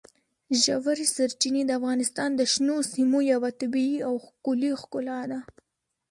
ژورې سرچینې د افغانستان د شنو سیمو یوه طبیعي او ښکلې ښکلا ده.